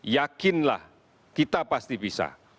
yakinlah kita pasti bisa